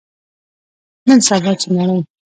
نن سبا، چې نړۍ